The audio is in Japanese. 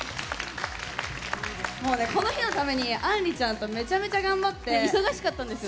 この日のためにあんりちゃんとめちゃめちゃ頑張って。